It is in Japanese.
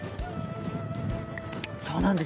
そうなんです。